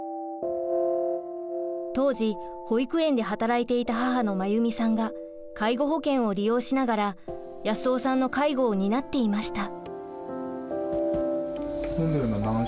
当時保育園で働いていた母の真由美さんが介護保険を利用しながら保夫さんの介護を担っていました。